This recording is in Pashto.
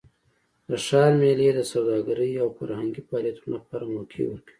د ښار میلې د سوداګرۍ او فرهنګي فعالیتونو لپاره موقع ورکوي.